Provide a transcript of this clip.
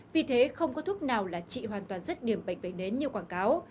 vì thế không có thuốc nào là trị hoàn toàn rất điểm bệnh vệ nến như quảng cáo